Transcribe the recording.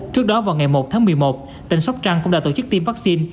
trước đó vào ngày một tháng một mươi một tỉnh sóc trăng cũng đã tổ chức tiêm vaccine